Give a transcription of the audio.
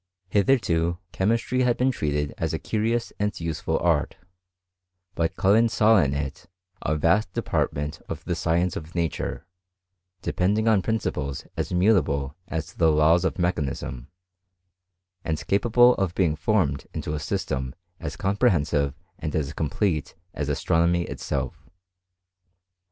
Hitherto chemistry had been treated as a curious and useful art ; but Cul len saw in it a vast department of the science of nature, depending on principles as immutable as the laws of mechanism, and capable of being formed into a system as comprehensive and as complete as astronomy itself.